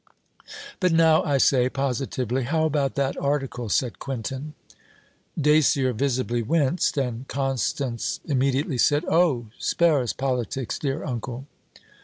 'But now, I say, positively, how about that article?' said Quintin. Dacier visibly winced, and Constance immediately said 'Oh! spare us politics, dear uncle.'